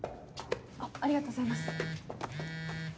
ありがとうございます。